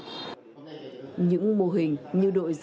những mô hình như đội dân phòng cháy chữa cháy công tác phòng ngừa là chủ yếu